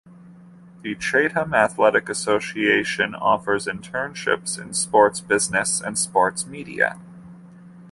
The Chatham Athletic Association offers internships in Sports Business and Sports Media.